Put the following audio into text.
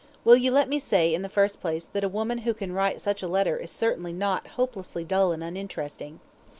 Will you let me say, in the first place, that a woman who can write such a letter is certainly not "hopelessly dull and uninteresting"!